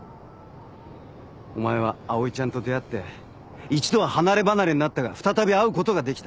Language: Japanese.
お前は葵ちゃんと出会って一度は離れ離れになったが再び会うことができた。